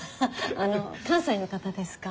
あの関西の方ですか？